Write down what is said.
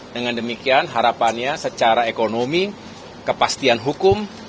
dengan demikian harapannya secara ekonomi kepastian hukum